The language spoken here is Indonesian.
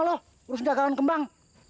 ya udah sekarang lo urusin jagaan kembang